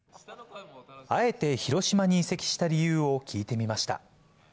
あえて広島に移籍した理由を聞いてみました。